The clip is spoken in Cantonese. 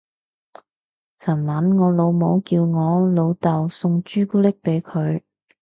尋晚我老母叫我老竇送朱古力俾佢